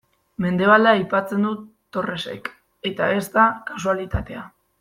Mendebaldea aipatzen du Torresek, eta ez da kasualitatea.